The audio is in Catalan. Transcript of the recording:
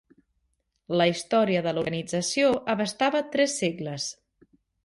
La història de l'organització abastava tres segles.